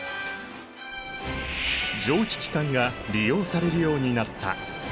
蒸気機関が利用されるようになった。